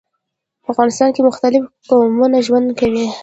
په افغانستان کي مختلیف قومونه ژوند کوي.